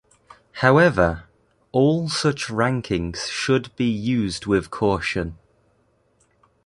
However, all such rankings should be used with caution.